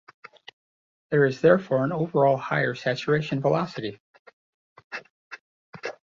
There is therefore an overall higher saturation velocity.